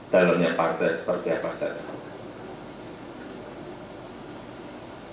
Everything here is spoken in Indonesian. dalamnya partai seperti apa saja